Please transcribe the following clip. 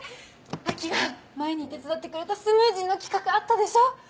亜季が前に手伝ってくれたスムージーの企画あったでしょ？